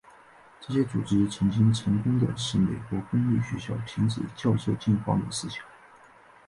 这些组织曾经成功地使美国公立学校停止教授进化论思想。